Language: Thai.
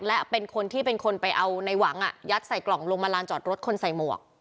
และเป็นคนที่เป็นคนไปเอาในหวังยัดใส่กล่องลงมาลานจอดรถคนใส่หมวก